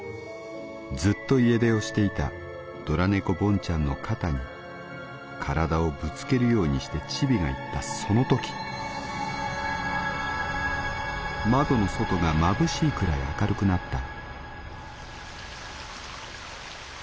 ずっと家出をしていたどら猫ボンちゃんの肩に体をぶつけるようにしてチビが言ったその時窓の外がまぶしいくらい明るくなった」。